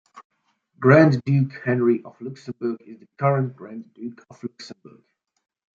Grand Duke Henri of Luxembourg is the current Grand Duke of Luxembourg.